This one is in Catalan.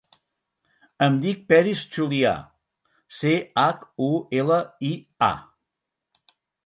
Em dic Peris Chulia: ce, hac, u, ela, i, a.